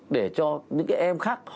để cho những em khác